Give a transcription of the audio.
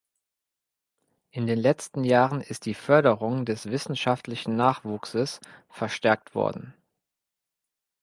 In den letzten Jahren ist die Förderung des wissenschaftlichen Nachwuchses verstärkt worden.